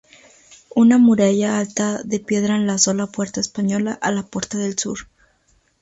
Una muralla alta de piedra enlazó la Puerta Española a la puerta del sur.